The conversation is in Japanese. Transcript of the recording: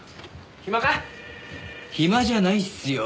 暇じゃないっすよ。